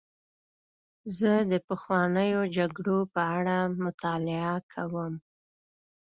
زه د پخوانیو جګړو په اړه مطالعه کوم.